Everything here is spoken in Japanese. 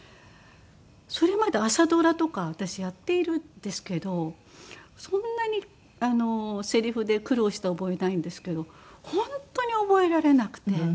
それまで朝ドラとか私やっているんですけどそんなにせりふで苦労した覚えないんですけど本当に覚えられなくて。